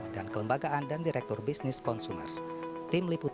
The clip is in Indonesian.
dan mengocomkan informasi e mail tersebut